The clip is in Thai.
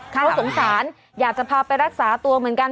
เขาสงสารอยากจะพาไปรักษาตัวเหมือนกัน